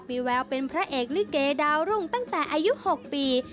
มีแววเป็นพระเอกลิเกดาวรุ่งตั้งแต่อายุ๖ปี